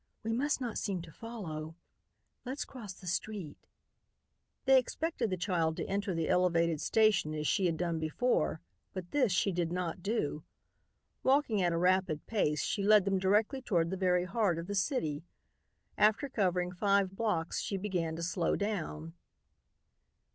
"We must not seem to follow. Let's cross the street." They expected the child to enter the elevated station as she had done before, but this she did not do. Walking at a rapid pace, she led them directly toward the very heart of the city. After covering five blocks, she began to slow down.